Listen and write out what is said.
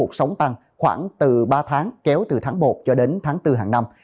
được sống tăng khoảng từ ba tháng kéo từ tháng một cho đến tháng bốn hàng năm